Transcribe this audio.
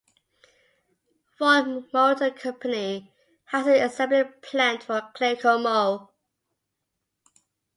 Ford Motor Company has an assembly plant in Claycomo.